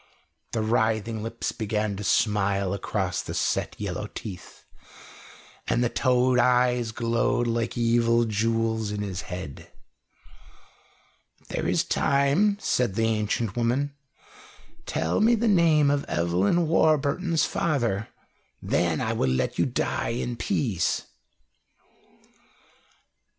The writhing lips began to smile across the set yellow teeth, and the toad eyes glowed like evil jewels in his head. "There is time," said the ancient woman. "Tell me the name of Evelyn Warburton's father. Then I will let you die in peace."